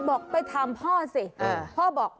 บอกไปถามพ่อผู้หญิงซิ